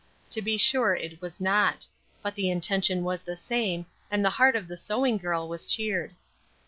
To be sure it was not. But the intention was the same, and the heart of the sewing girl was cheered.